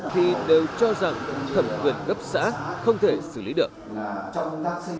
thì đều cho rằng thẩm quyền cấp xã không thể xử lý được